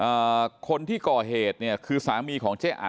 นั่นแหละครับคนที่ก่อเหตุเนี่ยคือสามีของผู้ชมครับ